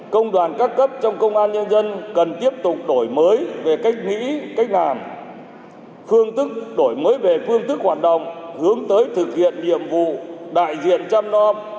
công đoàn các cấp trong công an nhân dân cần tiếp tục đổi mới về cách nghĩ cách làm phương tức đổi mới về phương thức hoạt động hướng tới thực hiện nhiệm vụ đại diện chăm lo